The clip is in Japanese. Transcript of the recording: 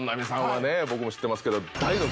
僕も知ってますけど。